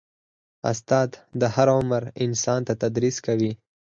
استاد د هر عمر انسان ته تدریس کوي.